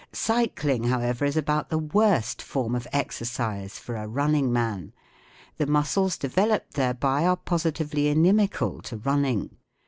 Cycling, however, is about the worst form of exercise for a running man. The muscles developed thereby are positively inimical to running.